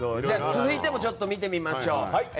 続いても見てみましょう。